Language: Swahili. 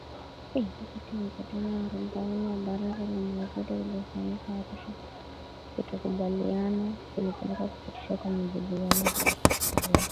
Wakati wa mkutano wa arobaini wa Baraza la Mawaziri uliofanyika Arusha, kutokukubaliana kulipelekea kusitishwa kwa majadiliano na kutopata suluhu.